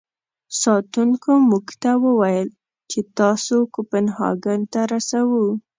ساتونکو موږ ته و ویل چې تاسو کوپنهاګن ته رسوو.